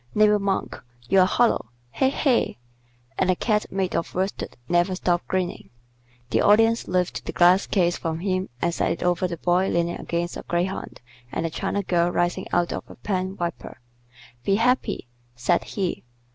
Neighbor Monk, you're hollow. He! he!" and the Cat made of worsted never stopped grinning. The Audience lifted the glass case from him and set it over the Boy leaning against a greyhound and the China girl rising out of a pen wiper. "Be happy!" said he.